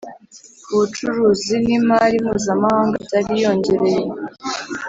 ubucuruzi n imari mpuzamahanga byari yongereye